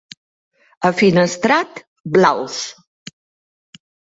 A Finestrat, blaus.